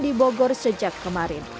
di bogor sejak kemarin